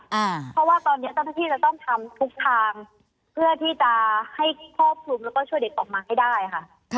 เพราะว่าตอนนี้ต้องทำทุกทางเพื่อที่จะให้ควบคลุมและช่วยเด็กออกมาให้ได้ค่ะ